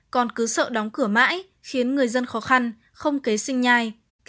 còn cứ sợ đóng cửa mãi khiến người dân khó khăn không kế sinh nhai kinh tế trì trệ